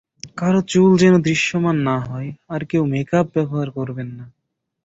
কারো চুল যেন দৃশ্যমান না হয় আর কেউ মেক-আপ ব্যবহার করবেন না।